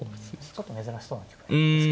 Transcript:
ちょっと珍しそうな局面ですけどね。